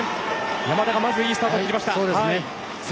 山田がまずいいスタートを切りました。